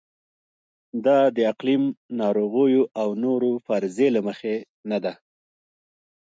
دا د اقلیم، ناروغیو او نورو فرضیې له مخې نه ده.